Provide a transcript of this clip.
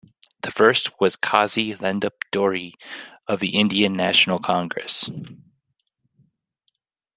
The first was Kazi Lhendup Dorjee of the Indian National Congress.